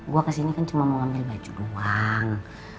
gue ke sini kan cuma mau ambil baju doang